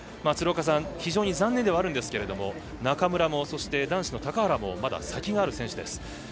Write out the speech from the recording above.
鶴岡さん、非常に残念ですが中村も、男子の高原もまだ先がある選手です。